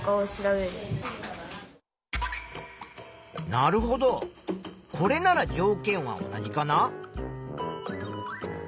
なるほどこれなら条件は同じかな？